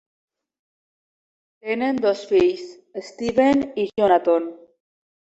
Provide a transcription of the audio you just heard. Tenen dos fills, Steven i Jonathon.